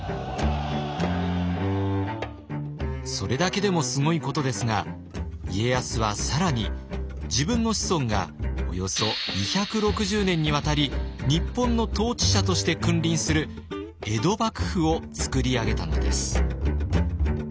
それだけでもすごいことですが家康は更に自分の子孫がおよそ２６０年にわたり日本の統治者として君臨する江戸幕府を作り上げたのです。